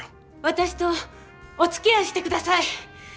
私とおつきあいしてください。